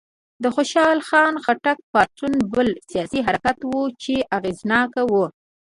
د خوشحال خان خټک پاڅون بل سیاسي حرکت و چې اغېزناک و.